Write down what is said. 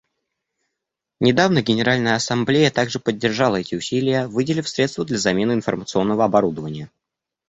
Недавно Генеральная Ассамблея также поддержала эти усилия, выделив средства для замены информационного оборудования.